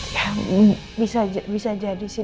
ya bisa jadi sih